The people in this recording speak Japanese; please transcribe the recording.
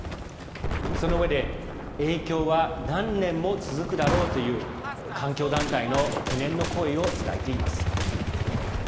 そのうえで影響は何年も続くだろうという環境団体の懸念の声を伝えています。